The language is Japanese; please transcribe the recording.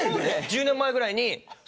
１０年前ぐらいに。